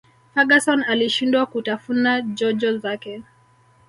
ferguson alishindwa kutafuna jojo zake